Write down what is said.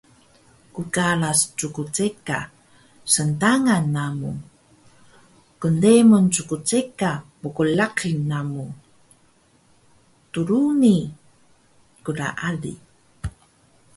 Qqaras ckceka sntangan namu. Knremun ckceka mqraqil namu. Druni klaali